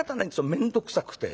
面倒くさくて。